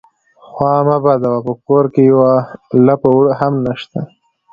_خوا مه بدوه، په کور کې يوه لپه اوړه هم نشته.